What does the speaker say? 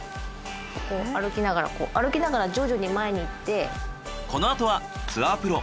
こう歩きながら歩きながら徐々に前に行って。